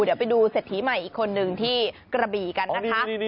เดี๋ยวไปดูเศรษฐีใหม่อีกคนนึงที่กระบี่กันนะคะ